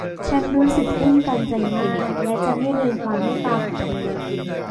ฉันรู้สึกตื้นตันใจมากและจะไม่ลืมความเมตตาของคุณเลย